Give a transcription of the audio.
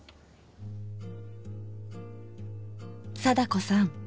貞子さん